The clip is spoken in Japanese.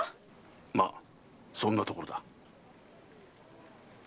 まそんなところだ。